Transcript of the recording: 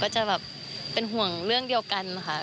จะแบบเป็นห่วงเรื่องเดียวกันค่ะ